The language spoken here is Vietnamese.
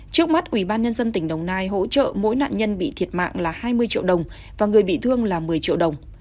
trước mắt ủy ban nhân dân tỉnh đồng nai hỗ trợ mỗi nạn nhân bị thiệt mạng là hai mươi triệu đồng và người bị thương là một mươi triệu đồng